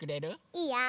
いいよ。